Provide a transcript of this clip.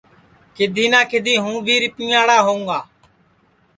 کِدھی نہ کِدھی ہوں بھی رِپیاڑا ہوںگا